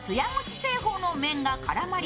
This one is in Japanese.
製法の麺が絡まり